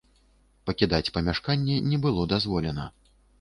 Пакідаць памяшканне не было дазволена.